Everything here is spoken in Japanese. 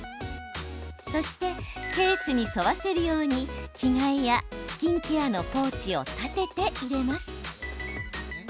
そしてケースに沿わせるように着替えやスキンケアのポーチを立てて入れます。